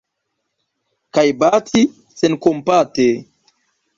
Kaj bati senkompate!